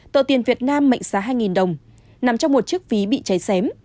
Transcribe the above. tờ tiền việt nam mệnh giá hai đồng nằm trong một chiếc ví bị cháy xém